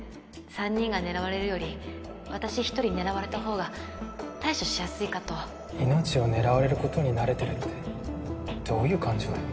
３人が狙われるより私１人狙われたほうが対処しやすいかと命を狙われることに慣れてるってどういう感情だよ